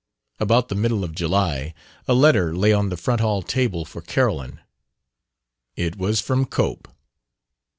About the middle of July a letter lay on the front hall table for Carolyn. It was from Cope.